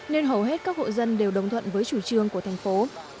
nên hầu hết các hộ dân đều đồng thuận với chủ trương của thành phố